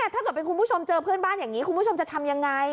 ถ้าเกิดเป็นคุณผู้ชมเจอเพื่อนบ้านอย่างนี้คุณผู้ชมจะทำยังไง